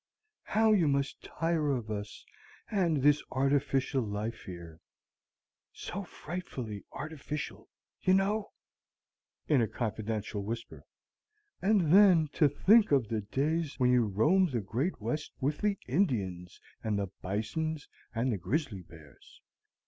How you must tire of us and this artificial life here, so frightfully artificial, you know" (in a confidential whisper); "and then to think of the days when you roamed the great West with the Indians, and the bisons, and the grizzly bears!